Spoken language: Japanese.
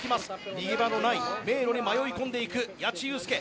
逃げ場のない迷路に迷い込んでいく矢地祐介。